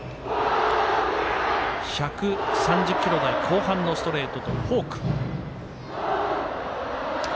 １３０キロ台後半のストレートとフォーク。